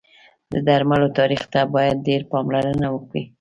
د درملو تاریخ ته باید ډېر پاملرنه وکړی